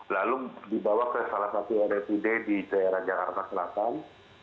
lalu dibawa ke salatasi ritd di daerah jakarta selatan